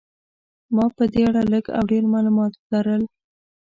ما په دې اړه لږ او ډېر معلومات لرل.